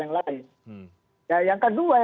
yang lain yang kedua